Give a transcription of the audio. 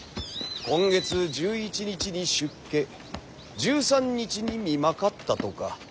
今月１１日に出家１３日に身まかったとか。